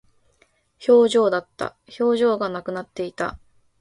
表情だった。表情がなくなっていた。